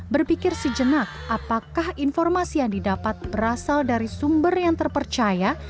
berpikir sejenak apakah informasi yang didapat berasal dari sumber yang terpercaya